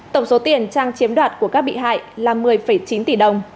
tổng số tiền trang chiếm đoạt của các bị hại là một mươi chín tỷ đồng